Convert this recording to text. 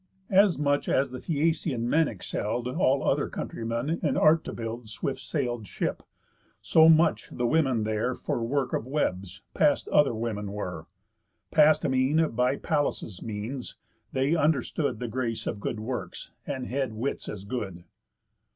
As much as the Phæacian men excell'd All other countrymen in art to build A swift sail'd ship; so much the women there For work of webs, past other women were. Past mean, by Pallas' means, they understood The grace of good works; and had wits as good.